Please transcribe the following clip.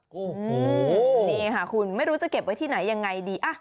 นี่ค่ะคุณไม่รู้จะเก็บไว้ที่ไหนยังไงดี